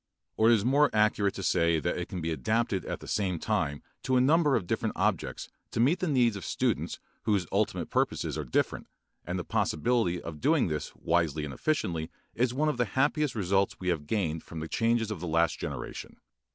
Or it is more accurate to say that it can be adapted at the same time to a number of different objects to meet the needs of students whose ultimate purposes are different, and the possibility of doing this wisely and efficiently is one of the happiest results we have gained from the changes of the last generation.